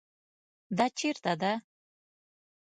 دا چیرته ده؟